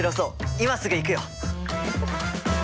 今すぐ行くよ！